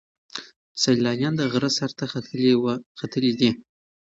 سیلانیان د غره سر ته ختلي دي.